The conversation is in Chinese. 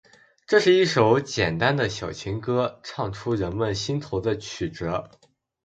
这是一首简单的小情歌，唱出人们心头的曲折